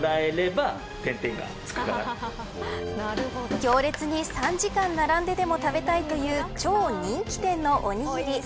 行列に３時間並んででも食べたいという超人気店のおにぎり。